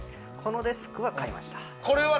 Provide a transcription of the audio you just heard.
このデスクは買いました。